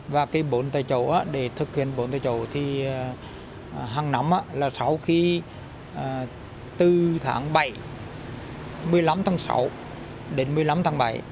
và cái bốn tay châu để thực hiện bốn tay châu thì hàng năm là sau khi từ tháng bảy một mươi năm tháng sáu đến một mươi năm tháng bảy